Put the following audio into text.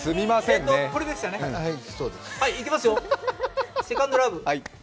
いきますよ、「セカンド・ラブ」。